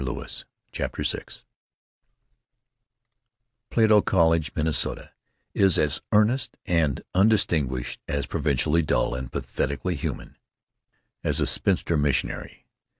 CHAPTER VI lato College, Minnesota, is as earnest and undistinguished, as provincially dull and pathetically human, as a spinster missionary.